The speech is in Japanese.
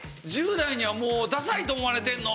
１０代にはもうダサいと思われてるの？